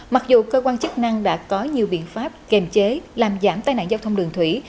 mặc dù cơ quan chức năng đã có nhiều biện pháp kiềm chế làm giảm tai nạn giao thông đường thủy